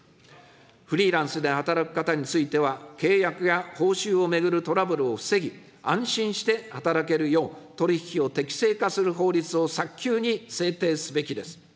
フリーランスで働く方については、契約や報酬を巡るトラブルを防ぎ、安心して働けるよう、取り引きを適正化する法律を早急に制定すべきです。